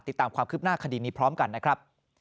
ติดตามความคืบหน้าคดีนี้พร้อมกันนะครับ